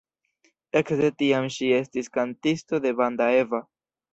Ekde tiam ŝi estis kantisto de Banda Eva.